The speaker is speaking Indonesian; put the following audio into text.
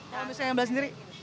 kalau misalnya yang belas sendiri